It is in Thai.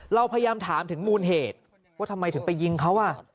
เราพยายามถามถึงมูลเหตุว่าทำไมถึงไปยิงเขา